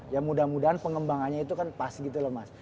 ya mudah mudahan pengembangannya itu kan pas gitu loh mas